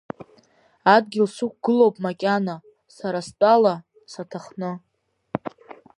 Адгьыл сықәгылоуп макьана, сара стәала, саҭахны.